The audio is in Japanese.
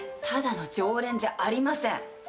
ただの常連じゃありません。